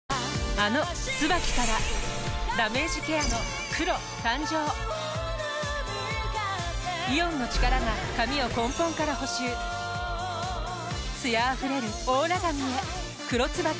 あの「ＴＳＵＢＡＫＩ」からダメージケアの黒誕生イオンの力が髪を根本から補修艶あふれるオーラ髪へ「黒ＴＳＵＢＡＫＩ」